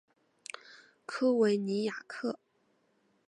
科维尼亚克。